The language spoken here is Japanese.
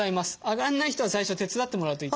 上がらない人は最初手伝ってもらうと。